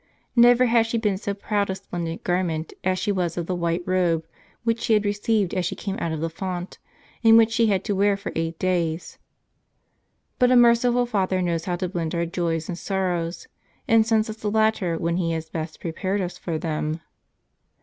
Never had she been so proud of splendid garment as she was of the white robe, which she had received as she came out of the font, and which she had to wear for eight days. But a merciful Father knows how to blend our joys and sorrows, and sends us the latter when He has best prepared us for them.